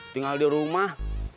tinggal di rumah